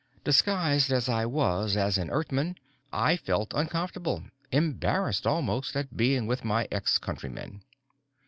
Disguised as I was as an Earthman, I felt uncomfortable, embarrassed, almost, at being with my ex countrymen.